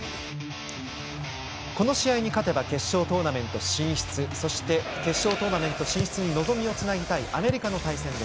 この試合に勝てば決勝トーナメント進出のイングランドそして、決勝トーナメント進出に望みをつなぎたいアメリカの対戦。